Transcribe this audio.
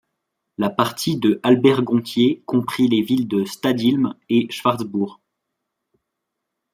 La partie de Albert-Gonthier compris les villes de Stadtilm et Schwarzbourg.